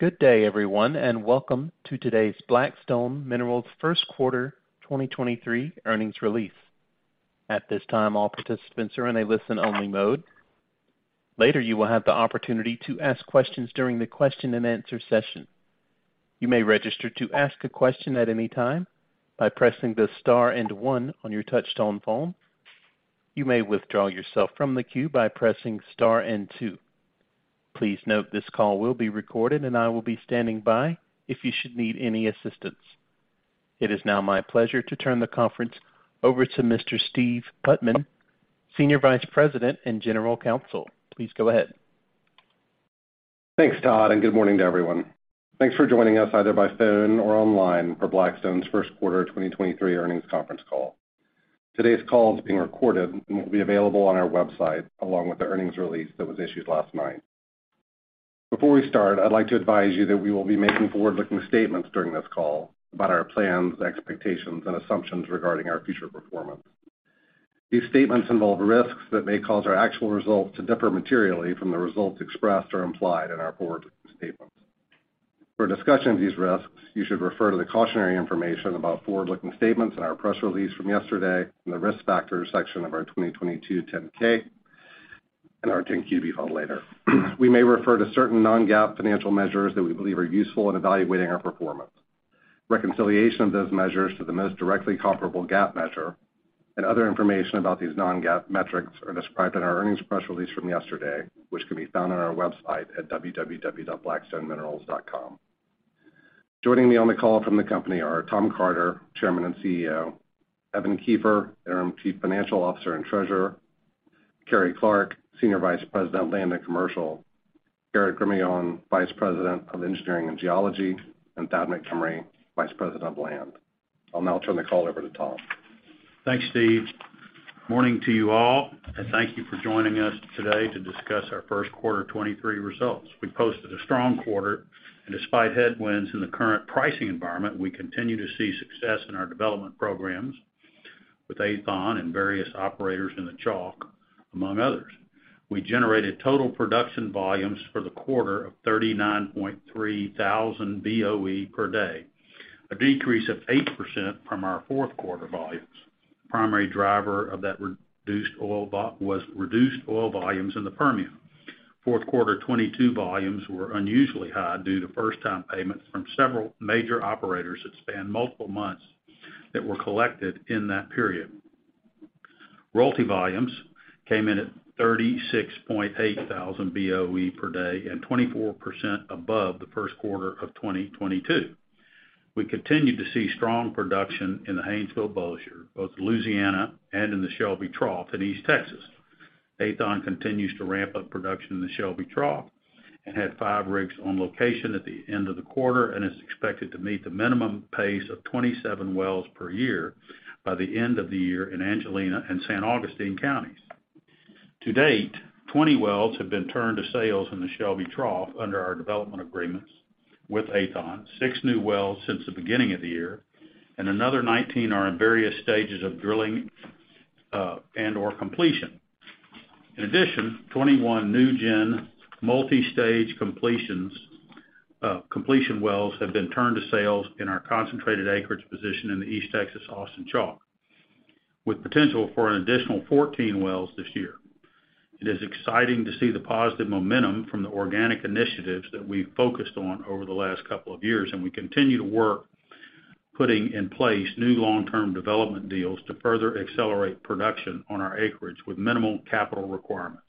Good day, everyone, and welcome to today's Black Stone Minerals First Quarter 2023 Earnings Release. At this time, all participants are in a listen-only mode. Later, you will have the opportunity to ask questions during the question-and-answer session. You may register to ask a question at any time by pressing the Star and 1 on your touchtone phone. You may withdraw yourself from the queue by pressing Star and 2. Please note this call will be recorded and I will be standing by if you should need any assistance. It is now my pleasure to turn the conference over to Mr. Steve Putman, Senior Vice President and General Counsel. Please go ahead. Thanks, Todd. Good morning to everyone. Thanks for joining us either by phone or online for Black Stone's first quarter 2023 earnings conference call. Today's call is being recorded and will be available on our website along with the earnings release that was issued last night. Before we start, I'd like to advise you that we will be making forward-looking statements during this call about our plans, expectations, and assumptions regarding our future performance. These statements involve risks that may cause our actual results to differ materially from the results expressed or implied in our forward-looking statements. For a discussion of these risks, you should refer to the cautionary information about forward-looking statements in our press release from yesterday in the Risk Factors section of our 2022 10-K and our 10-Q be filed later. We may refer to certain non-GAAP financial measures that we believe are useful in evaluating our performance. Reconciliation of those measures to the most directly comparable GAAP measure and other information about these non-GAAP metrics are described in our earnings press release from yesterday, which can be found on our website at www.blackstoneminerals.com. Joining me on the call from the company are Tom Carter, Chairman and CEO, Evan Kiefer, Interim Chief Financial Officer and Treasurer, Carrie Clark, Senior Vice President, Land and Commercial, Garrett Gremillion, Vice President of Engineering and Geology, and Thad Montgomery, Vice President of Land. I'll now turn the call over to Tom. Thanks, Steve. Morning to you all, thank you for joining us today to discuss our first quarter 2023 results. We posted a strong quarter. Despite headwinds in the current pricing environment, we continue to see success in our development programs with Aethon and various operators in the Chalk, among others. We generated total production volumes for the quarter of 39.3 thousand BOE per day, a decrease of 8% from our fourth quarter volumes. The primary driver of that reduced oil volumes was reduced oil volumes in the Permian. Fourth quarter 2022 volumes were unusually high due to first time payments from several major operators that spanned multiple months that were collected in that period. Royalty volumes came in at 36.8 thousand BOE per day and 24 above the first quarter of 2022. We continued to see strong production in the Haynesville/Bossier, both Louisiana and in the Shelby Trough in East Texas. Aethon continues to ramp up production in the Shelby Trough and had 5 rigs on location at the end of the quarter, and is expected to meet the minimum pace of 27 wells per year by the end of the year in Angelina and San Augustine counties. To date, 20 wells have been turned to sales in the Shelby Trough under our development agreements with Aethon, 6 new wells since the beginning of the year, and another 19 are in various stages of drilling and/or completion. In addition, 21 new gen multi-stage completions, completion wells have been turned to sales in our concentrated acreage position in the East Texas Austin Chalk, with potential for an additional 14 wells this year. It is exciting to see the positive momentum from the organic initiatives that we've focused on over the last couple of years, and we continue to work, putting in place new long-term development deals to further accelerate production on our acreage with minimal capital requirements.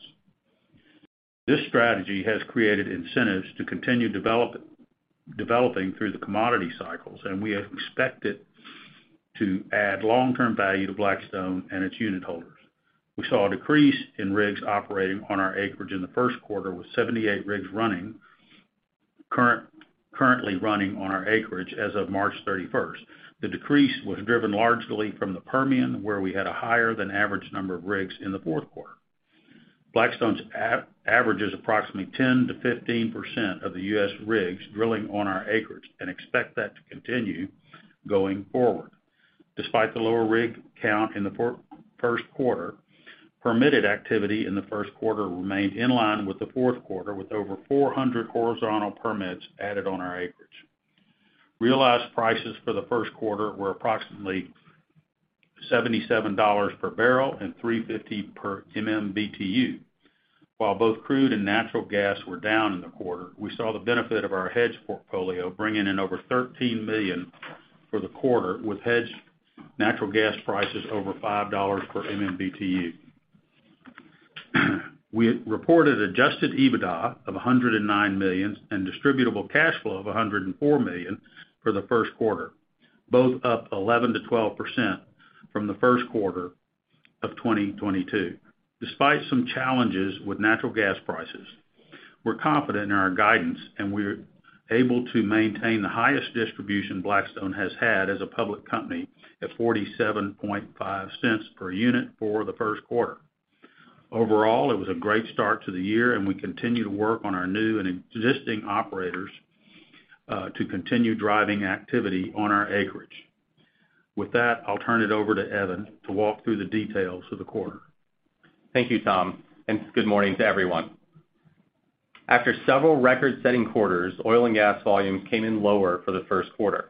This strategy has created incentives to continue developing through the commodity cycles, and we expect it to add long-term value to Black Stone and its unit holders. We saw a decrease in rigs operating on our acreage in the first quarter, with 78 rigs currently running on our acreage as of March 31st. The decrease was driven largely from the Permian, where we had a higher than average number of rigs in the fourth quarter. Black Stone's average is approximately 10%-15% of the U.S. rigs drilling on our acreage and expect that to continue going forward. Despite the lower rig count in the first quarter, permitted activity in the first quarter remained in line with the fourth quarter with over 400 horizontal permits added on our acreage. Realized prices for the first quarter were approximately $77 per barrel and $3.50 per MMBtu. While both crude and natural gas were down in the quarter, we saw the benefit of our hedge portfolio bringing in over $13 million for the quarter with hedged natural gas prices over $5 per MMBtu. We reported Adjusted EBITDA of $109 million and distributable cash flow of $104 million for the first quarter, both up 11%-12% from the first quarter of 2022. Despite some challenges with natural gas prices, we're confident in our guidance, and we're able to maintain the highest distribution Black Stone has had as a public company at $0.475 per unit for the first quarter. Overall, it was a great start to the year, and we continue to work on our new and existing operators to continue driving activity on our acreage. With that, I'll turn it over to Evan to walk through the details of the quarter. Thank you, Tom. Good morning to everyone. After several record-setting quarters, oil and gas volumes came in lower for the first quarter.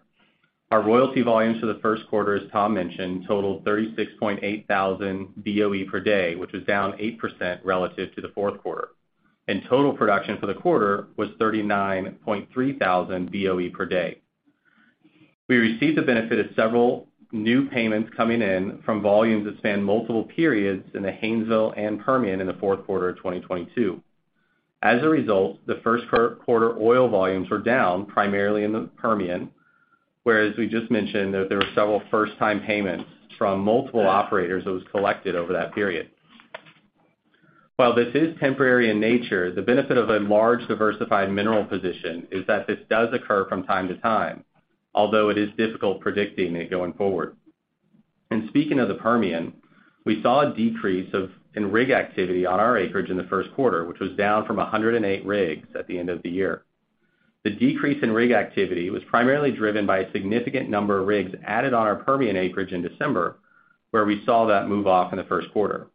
Our royalty volumes for the first quarter, as Tom mentioned, totaled 36.8 thousand Boe per day, which was down 8% relative to the fourth quarter. Total production for the quarter was 39.3 thousand Boe per day. We received the benefit of several new payments coming in from volumes that spanned multiple periods in the Haynesville and Permian in the fourth quarter of 2022. As a result, the first quarter oil volumes were down primarily in the Permian, whereas we just mentioned that there were several first-time payments from multiple operators that was collected over that period. While this is temporary in nature, the benefit of a large diversified mineral position is that this does occur from time to time, although it is difficult predicting it going forward. Speaking of the Permian, we saw a decrease in rig activity on our acreage in the first quarter, which was down from 108 rigs at the end of the year. The decrease in rig activity was primarily driven by a significant number of rigs added on our Permian acreage in December, where we saw that move off in the first quarter.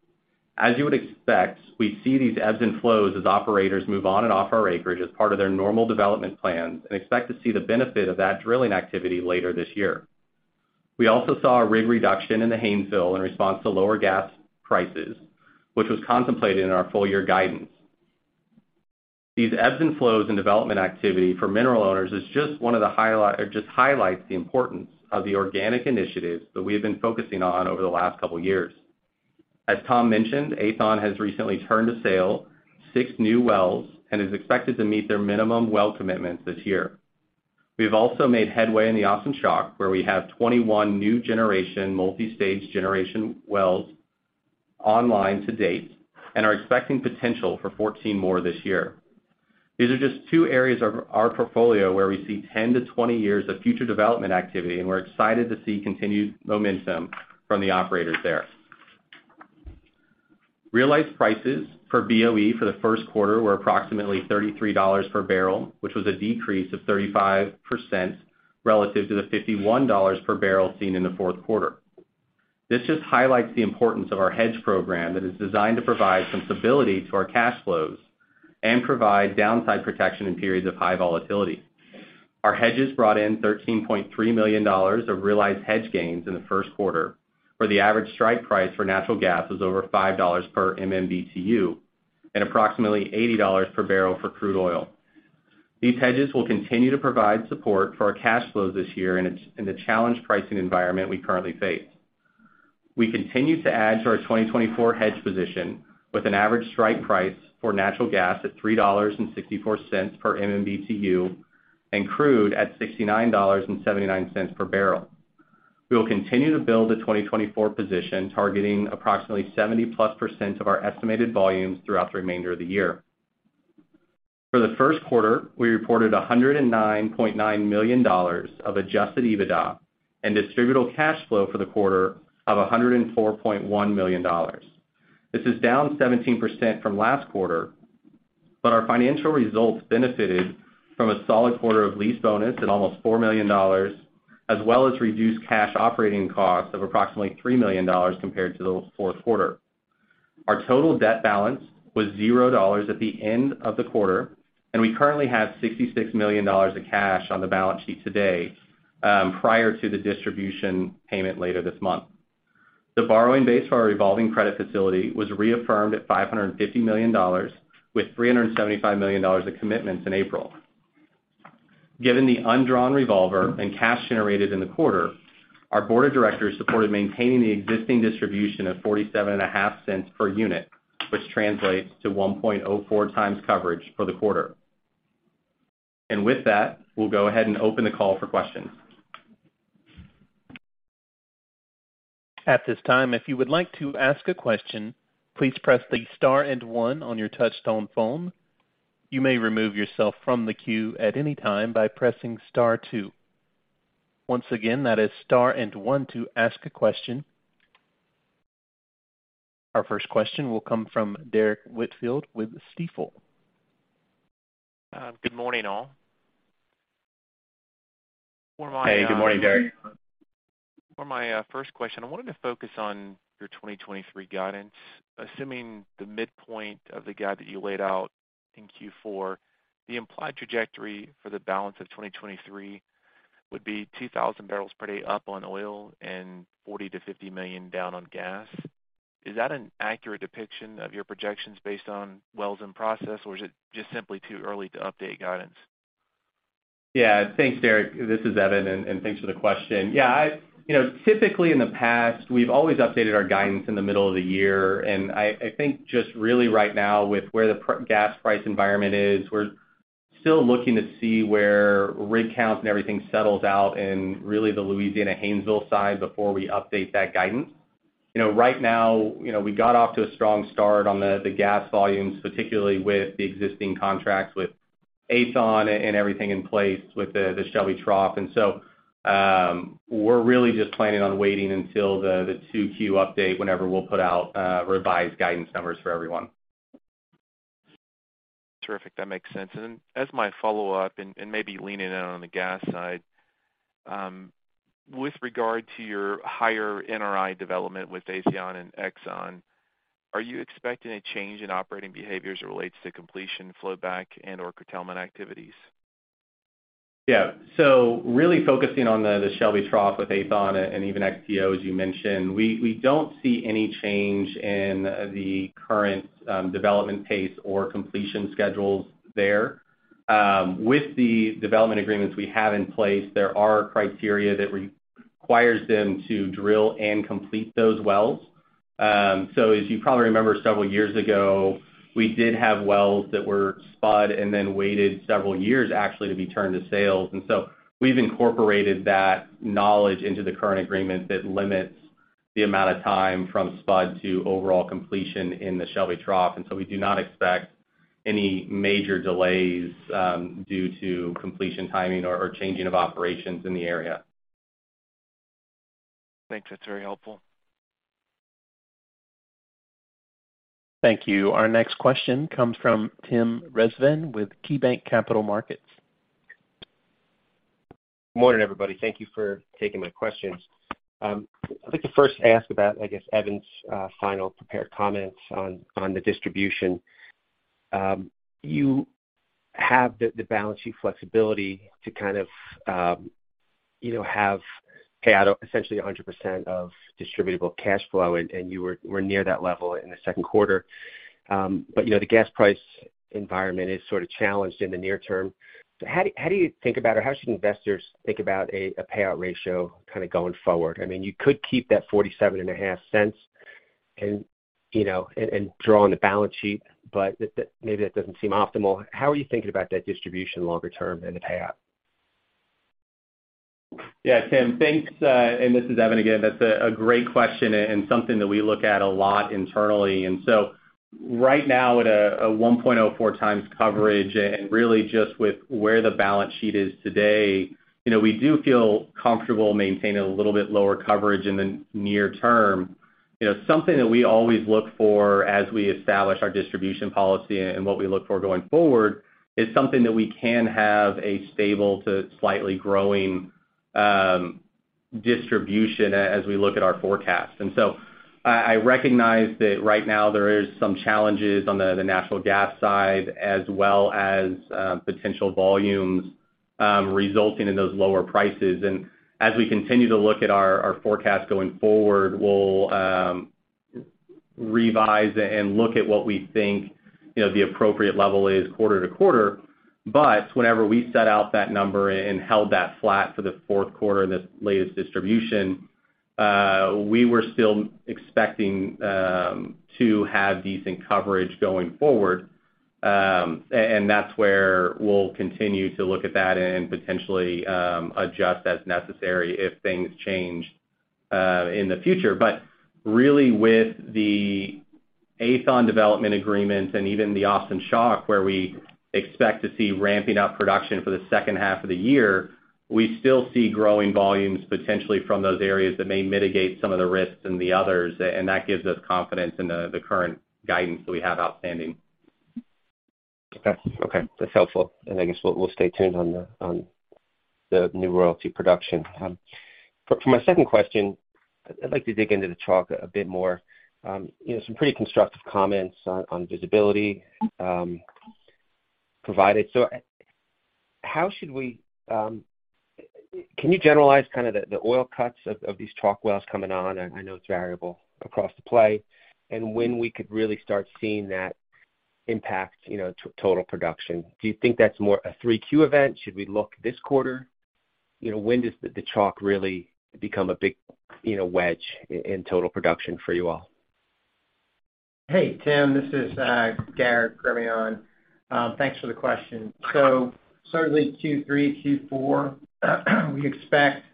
As you would expect, we see these ebbs and flows as operators move on and off our acreage as part of their normal development plans and expect to see the benefit of that drilling activity later this year. We also saw a rig reduction in the Haynesville in response to lower gas prices, which was contemplated in our full year guidance. These ebbs and flows in development activity for mineral owners is just one of the highlights the importance of the organic initiatives that we have been focusing on over the last couple years. As Tom mentioned, Aethon has recently turned to sale 6 new wells and is expected to meet their minimum well commitments this year. We've also made headway in the Austin Chalk, where we have 21 new generation, multi-stage generation wells online to date and are expecting potential for 14 more this year. These are just two areas of our portfolio where we see 10-20 years of future development activity. We're excited to see continued momentum from the operators there. Realized prices for BOE for the first quarter were approximately $33 per barrel, which was a decrease of 35% relative to the $51 per barrel seen in the fourth quarter. This just highlights the importance of our hedge program that is designed to provide some stability to our cash flows and provide downside protection in periods of high volatility. Our hedges brought in $13.3 million of realized hedge gains in the first quarter, where the average strike price for natural gas was over $5 per MMBtu and approximately $80 per barrel for crude oil. These hedges will continue to provide support for our cash flows this year in the challenged pricing environment we currently face. We continue to add to our 2024 hedge position with an average strike price for natural gas at $3.64 per MMBtu and crude at $69.79 per barrel. We will continue to build the 2024 position, targeting approximately 70%+ of our estimated volumes throughout the remainder of the year. For the first quarter, we reported $109.9 million of Adjusted EBITDA and distributable cash flow for the quarter of $104.1 million. This is down 17% from last quarter, our financial results benefited from a solid quarter of lease bonus at almost $4 million, as well as reduced cash operating costs of approximately $3 million compared to the fourth quarter. Our total debt balance was $0 at the end of the quarter. We currently have $66 million of cash on the balance sheet today, prior to the distribution payment later this month. The borrowing base for our revolving credit facility was reaffirmed at $550 million, with $375 million of commitments in April. Given the undrawn revolver and cash generated in the quarter, our board of directors supported maintaining the existing distribution of $0.475 per unit, which translates to 1.04x coverage for the quarter. With that, we'll go ahead and open the call for questions. At this time, if you would like to ask a question, please press the star and one on your touchtone phone. You may remove yourself from the queue at any time by pressing star two. Once again, that is star and one to ask a question. Our first question will come from Derrick Whitfield with Stifel. Good morning, all. Hey, good morning, Derrick. For my first question, I wanted to focus on your 2023 guidance. Assuming the midpoint of the guide that you laid out in Q4, the implied trajectory for the balance of 2023 would be 2,000 barrels per day up on oil and $40 million-$50 million down on gas. Is that an accurate depiction of your projections based on wells in process, or is it just simply too early to update guidance? Yeah. Thanks, Derrick. This is Evan, and thanks for the question. Yeah, you know, typically in the past, we've always updated our guidance in the middle of the year. I think just really right now with where the gas price environment is, we're still looking to see where rig counts and everything settles out in really the Louisiana Haynesville side before we update that guidance. You know, right now, you know, we got off to a strong start on the gas volumes, particularly with the existing contracts with Aethon and everything in place with the Shelby Trough. We're really just planning on waiting until the 2Q update whenever we'll put out revised guidance numbers for everyone. Terrific. That makes sense. Then as my follow-up and maybe leaning in on the gas side, with regard to your higher NRI development with Aethon and XTO, are you expecting a change in operating behaviors as it relates to completion, flow back and/or curtailment activities? Really focusing on the Shelby Trough with Aethon and even XTO, as you mentioned, we don't see any change in the current development pace or completion schedules there. With the development agreements we have in place, there are criteria that requires them to drill and complete those wells. As you probably remember, several years ago, we did have wells that were spud and then waited several years actually to be turned to sales. We've incorporated that knowledge into the current agreement that limits the amount of time from spud to overall completion in the Shelby Trough. We do not expect any major delays due to completion timing or changing of operations in the area. Thanks. That's very helpful. Thank you. Our next question comes from Tim Rezvan with KeyBanc Capital Markets. Good morning, everybody. Thank you for taking my questions. I'd like to first ask about, I guess, Evan's final prepared comments on the distribution. You have the balance sheet flexibility to kind of, you know, have pay out essentially 100% of Distributable cash flow, and you were near that level in the second quarter. You know, the gas price environment is sort of challenged in the near term. How do you think about it? How should investors think about a payout ratio kind of going forward? I mean, you could keep that $0.475 and, you know, draw on the balance sheet, that maybe that doesn't seem optimal. How are you thinking about that distribution longer term and the payout? Yeah, Tim. Thanks. This is Evan again. That's a great question and something that we look at a lot internally. Right now at a 1.04x coverage and really just with where the balance sheet is today, you know, we do feel comfortable maintaining a little bit lower coverage in the near term. You know, something that we always look for as we establish our distribution policy and what we look for going forward is something that we can have a stable to slightly growing distribution as we look at our forecast. I recognize that right now there is some challenges on the natural gas side as well as potential volumes resulting in those lower prices. As we continue to look at our forecast going forward, we'll revise and look at what we think, you know, the appropriate level is quarter to quarter. Whenever we set out that number and held that flat for the fourth quarter, this latest distribution, we were still expecting to have decent coverage going forward. That's where we'll continue to look at that and potentially adjust as necessary if things change in the future. Really with the Aethon development agreement and even the Austin Chalk, where we expect to see ramping up production for the second half of the year, we still see growing volumes potentially from those areas that may mitigate some of the risks and the others, and that gives us confidence in the current guidance that we have outstanding. Okay. That's helpful. I guess we'll stay tuned on the, on the new royalty production. For my second question, I'd like to dig into the Chalk a bit more. You know, some pretty constructive comments on visibility provided. How should we? Can you generalize kind of the oil cuts of these Chalk wells coming on? I know it's variable across the play. When we could really start seeing that impact, you know, total production. Do you think that's more a 3Q event? Should we look this quarter? You know, when does the Chalk really become a big, you know, wedge in total production for you all? Hey, Tim, this is Garrett Gremillion. Thanks for the question. Certainly Q3, Q4, we expect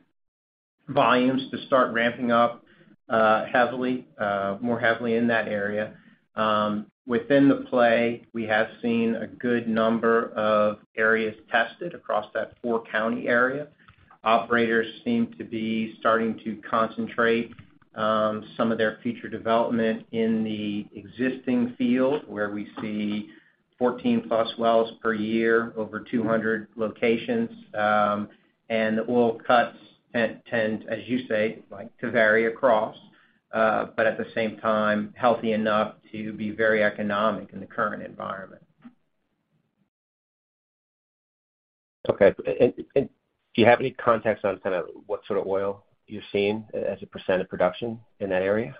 volumes to start ramping up heavily, more heavily in that area. Within the play, we have seen a good number of areas tested across that 4 county area. Operators seem to be starting to concentrate some of their future development in the existing field where we see 14+ wells per year, over 200 locations, and oil cuts tend, as you say, like to vary across, but at the same time, healthy enough to be very economic in the current environment. Okay. Do you have any context on kind of what sort of oil you've seen as a percentage of production in that area?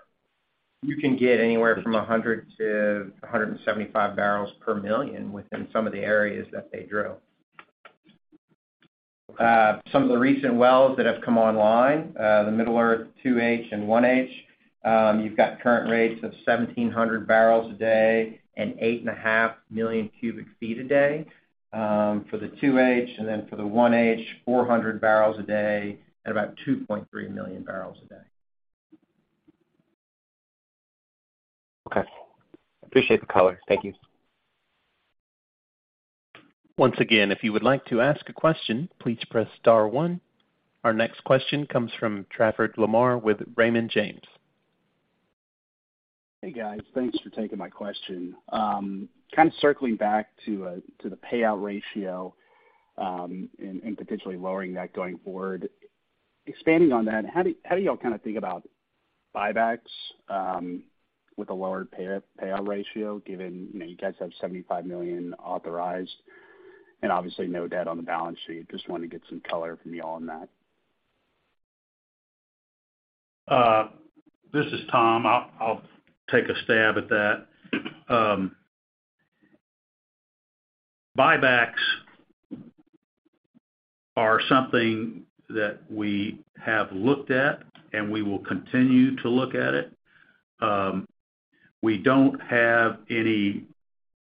You can get anywhere from 100-175 barrels per million within some of the areas that they drill. Some of the recent wells that have come online, the Middle Earth 2H and 1H, you've got current rates of 1,700 barrels a day and 8.5 million cubic feet a day, for the 2H. Then for the 1H, 400 barrels a day at about 2.3 million barrels a day. Okay. Appreciate the color. Thank you. Once again, if you would like to ask a question, please press star one. Our next question comes from Trafford Lamar with Raymond James. Hey, guys. Thanks for taking my question. Kind of circling back to the payout ratio and potentially lowering that going forward. Expanding on that, how do y'all kind of think about buybacks with a lower payout ratio, given, you know, you guys have $75 million authorized and obviously no debt on the balance sheet. Just wanted to get some color from y'all on that. This is Tom. I'll take a stab at that. Buybacks are something that we have looked at and we will continue to look at it. We don't have any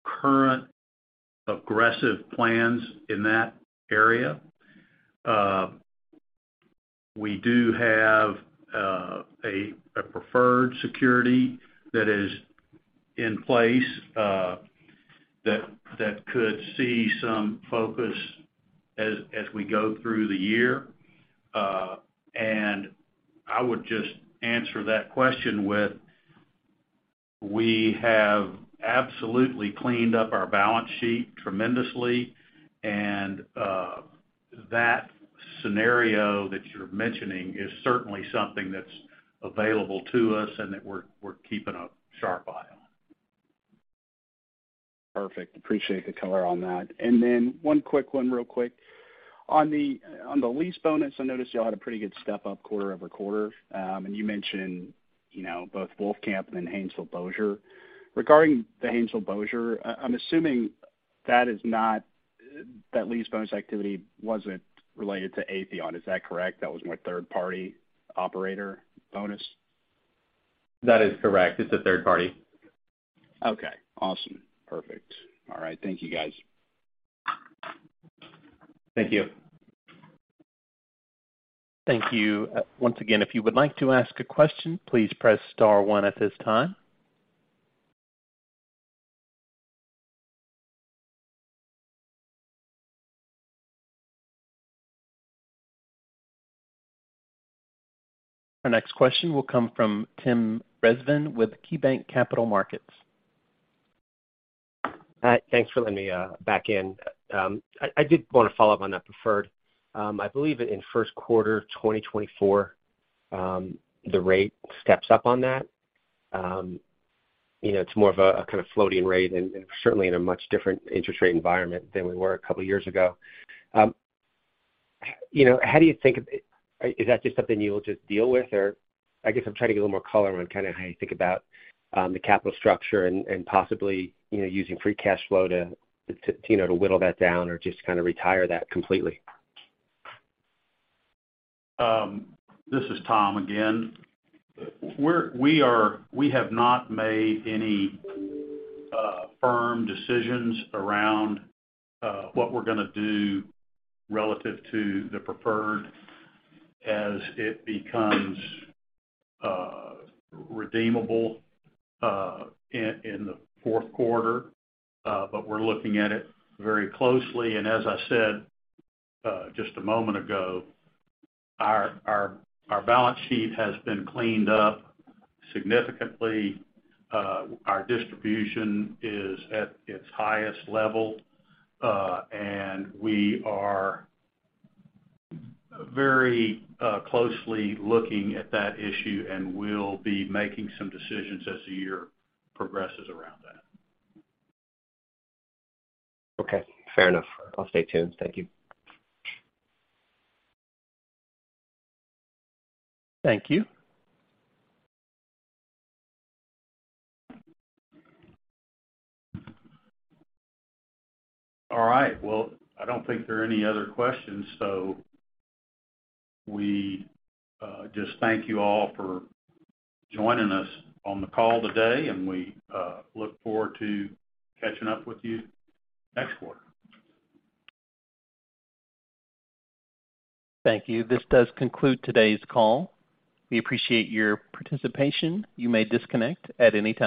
current aggressive plans in that area. We do have a preferred security that is in place that could see some focus as we go through the year. I would just answer that question with, we have absolutely cleaned up our balance sheet tremendously. That scenario that you're mentioning is certainly something that's available to us and that we're keeping a sharp eye on. Perfect. Appreciate the color on that. Then one quick one real quick. On the, on the lease bonus, I noticed y'all had a pretty good step up quarter-over-quarter. You mentioned, you know, both Wolfcamp and then Haynesville/Bossier. Regarding the Haynesville/Bossier, I'm assuming that lease bonus activity wasn't related to Aethon. Is that correct? That was more third-party operator bonus? That is correct. It's a third party. Okay. Awesome. Perfect. All right. Thank you guys. Thank you. Thank you. Once again, if you would like to ask a question, please press star one at this time. Our next question will come from Tim Rezvan with KeyBanc Capital Markets. Thanks for letting me back in. I did wanna follow up on that preferred. I believe in first quarter of 2024, the rate steps up on that. You know, it's more of a kind of floating rate and certainly in a much different interest rate environment than we were a couple years ago. You know, how do you think? Is that just something you'll just deal with? I guess I'm trying to get a little more color on kinda how you think about the capital structure and possibly, you know, using free cash flow to, you know, to whittle that down or just kinda retire that completely. This is Tom again. We have not made any firm decisions around what we're gonna do relative to the preferred as it becomes redeemable in the fourth quarter. We're looking at it very closely. As I said, just a moment ago, our balance sheet has been cleaned up significantly. Our distribution is at its highest level. We are very closely looking at that issue, and we'll be making some decisions as the year progresses around that. Okay, fair enough. I'll stay tuned. Thank you. Thank you. All right. Well, I don't think there are any other questions. We just thank you all for joining us on the call today. We look forward to catching up with you next quarter. Thank you. This does conclude today's call. We appreciate your participation. You may disconnect at any time.